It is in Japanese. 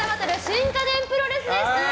新家電プロレスでした。